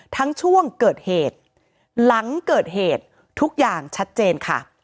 ช่วงเกิดเหตุหลังเกิดเหตุทุกอย่างชัดเจนค่ะ